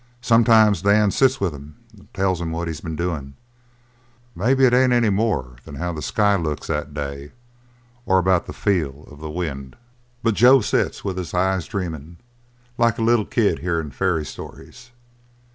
Sometimes Dan sits with him and tells him what he's been doin' maybe it ain't any more than how the sky looks that day, or about the feel of the wind but Joe sits with his eyes dreamin', like a little kid hearin' fairy stories.